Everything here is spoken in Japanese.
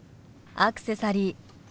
アクセサリー